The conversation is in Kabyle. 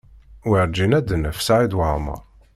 Werǧin ad d-naf Saɛid Waɛmaṛ.